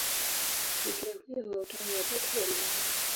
Bikira huyo wa Utawa wa Tatu wa Mt.